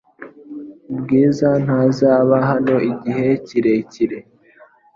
Bwiza ntazaba hano igihe kirekire .